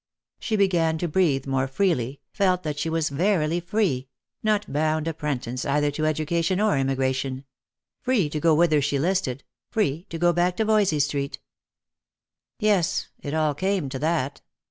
She began to breathe more freely, felt that she was verily free — not bound apprentice either to education or emigration ; free to go whither she listed, free to go back to Voysey street. Yes, it all came to that.